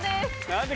何で。